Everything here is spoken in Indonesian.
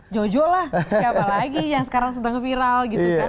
jojo lah siapa lagi yang sekarang sedang viral gitu kan